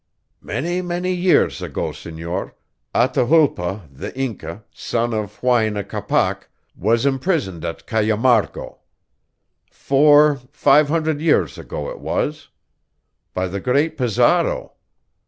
"Many, many years ago, senor, Atahualpa, the Inca, son of Huayna Capac, was imprisoned at Cajamarco. Four, five hundred years ago, it was. By the great Pizarro.